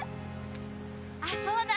あーそうだ！